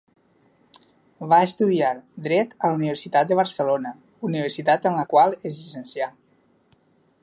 Va estudiar Dret a la Universitat de Barcelona, universitat en la qual es llicencià.